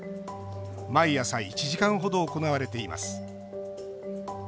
毎朝１時間程、行われています。